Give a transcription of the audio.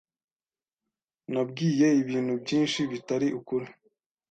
Nabwiye ibintu byinshi bitari ukuri.